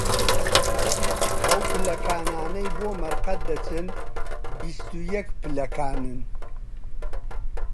ئەو پلەکانانەی بۆ مەرقەد دەچن، بیست و یەک پلەکانن